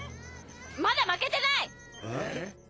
まだ負けてない！え？